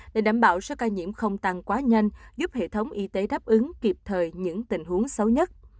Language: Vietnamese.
để đảm bảo số ca nhiễm không tăng quá nhanh giúp hệ thống y tế đáp ứng kịp thời những tình huống xấu nhất